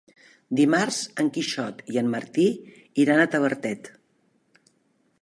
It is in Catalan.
Dimarts en Quixot i en Martí iran a Tavertet.